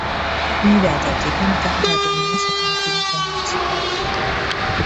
তিনি রাজা, যেখানে তাঁহার আদর নাই, সেখানে তিনি কেন আসিবেন?